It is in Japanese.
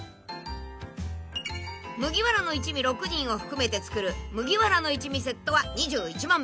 ［麦わらの一味６人を含めて作る麦わらの一味セットは２１万ベリー］